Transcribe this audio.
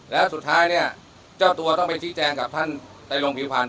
แล้วสุดท้ายเนี่ยเจ้าตัวต้องไปชี้แจงกับท่านในโรงผิวพันธ